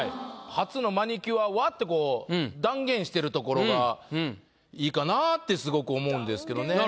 「初のマニキュアは」ってところがいいかなってすごく思うんですけどね。